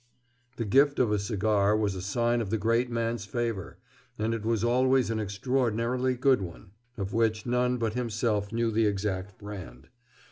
The gift of a cigar was a sign of the great man's favor, and it was always an extraordinarily good one, of which none but himself knew the exact brand.